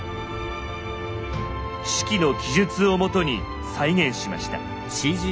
「史記」の記述をもとに再現しました。